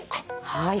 はい。